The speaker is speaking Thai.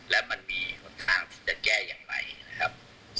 และมันมีหนทางที่จะแก้อย่างไรนะครับ